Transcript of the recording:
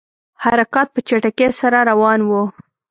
حرکات په چټکۍ سره روان وه.